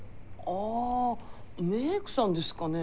あメークさんですかね？